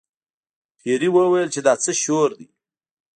پیري وویل چې دا څه شور دی.